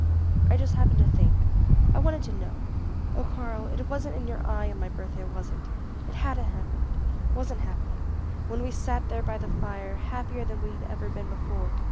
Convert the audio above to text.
"I just happened to think I wanted to know oh Karl, it wasn't in your eye on my birthday, was it? It hadn't happened wasn't happening when we sat there by the fire, happier than we had ever been before?"